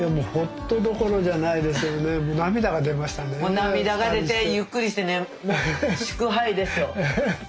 涙が出てゆっくりしてね祝杯ですよ。